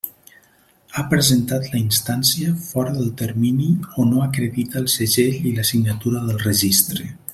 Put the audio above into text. Ha presentat la instància fora del termini o no acredita el segell i la signatura del registre.